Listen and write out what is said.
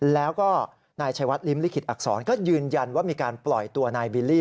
แล้วก็นายชัยวัดริมลิขิตอักษรก็ยืนยันว่ามีการปล่อยตัวนายบิลลี่